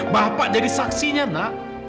bapak jadi saksi nya nna